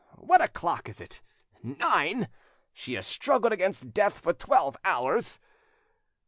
What o'clock is it? Nine! She has struggled against death for twelve hours!"